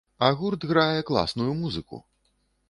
А гурт грае класную музыку.